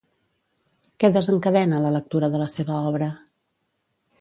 Què desencadena la lectura de la seva obra?